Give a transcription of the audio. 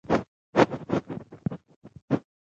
او الاقصی جومات له احاطې سره لګېدلی و.